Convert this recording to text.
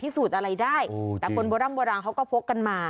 พิสูจน์อะไรได้แต่คนโบร่างเขาก็พกกันมา